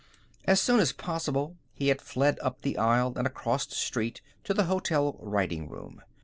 As soon as possible he had fled up the aisle and across the street to the hotel writing room.